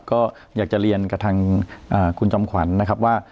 ก็อยากจะเรียนกับทางคุณจอมขวัญนะครับว่า